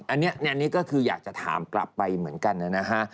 อันนี้ก็คืออยากจะถามกลับไปเหมือนกันนะฮะ